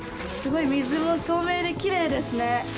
水も透明できれいですね。